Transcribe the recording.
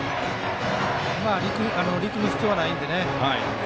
力む必要はないのでね。